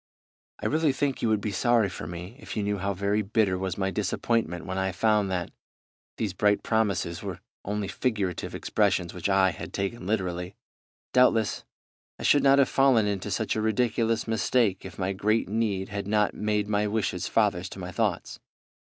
"I really think you would be sorry for me if you knew how very bitter was my disappointment when I found that, these bright promises were only figurative expressions which I had taken literally. Doubtless I should not have fallen into such a ridiculous mistake if my great need had not made my wishes fathers to my thoughts.